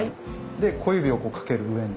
で小指をこうかける上に。